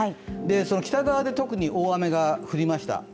その北側で特に大雨が降りました。